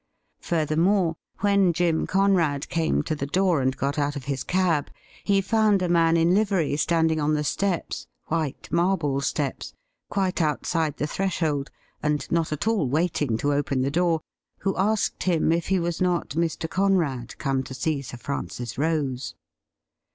Furthermore, when Jim Conrad came to the door and got out of his cab, he found a man in lively standing on the steps — ^white marble steps — quite outside the threshold, and not at all waiting to open the door, who asked him if he was not Mr. Conrad come to see Sir Francis Rose.